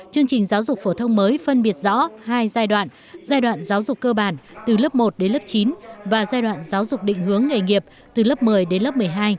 chương trình giáo dục phổ thông mới phân biệt rõ hai giai đoạn giai đoạn giáo dục cơ bản từ lớp một đến lớp chín và giai đoạn giáo dục định hướng nghề nghiệp từ lớp một mươi đến lớp một mươi hai